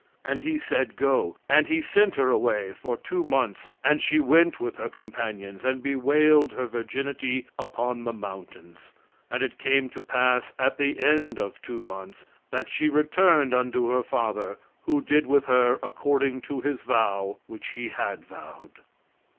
"And he said, Go. And he sent her away for two months, and she went with her companions, and bewailed her virginity upon the mountains. "And it came to pass at the end of two months that she returned unto her father, who did with her according to his vow which he had vowed."